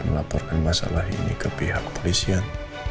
melaporkan masalah ini ke pihak polisian